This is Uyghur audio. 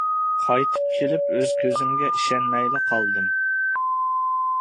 قايتىپ كېلىپ ئۆز كۆزۈمگە ئىشەنمەيلا قالدىم.